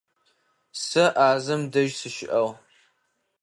Сэ Ӏазэм дэжь сыщыӀагъ.